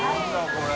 これ。